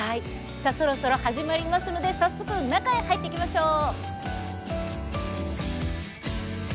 そろそろ始まりますので早速中へ入っていきましょう！